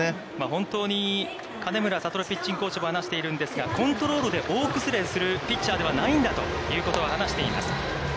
本当に、金村曉ピッチングコーチも話しているんですが、コントロールで大崩れするピッチャーではないんだということを話しています。